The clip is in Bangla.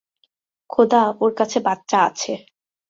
খোদা, ওর কাছে বাচ্চা আছে।